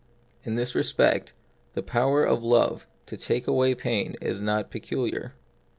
In this respect, the power of love to take away pain is not peculiar.